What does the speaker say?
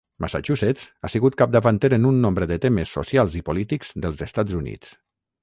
Massachusetts ha sigut capdavanter en un nombre de temes socials i polítics dels Estats Units.